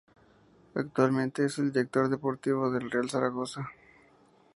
Actualmente es el director deportivo del Real Zaragoza.